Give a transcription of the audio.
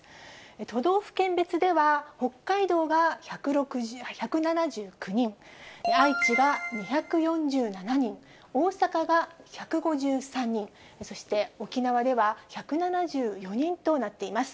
都道府県別では、北海道が１７９人、愛知が２４７人、大阪が１５３人、そして沖縄では１７４人となっています。